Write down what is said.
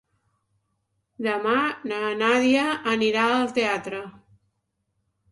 Demà na Nàdia anirà al teatre.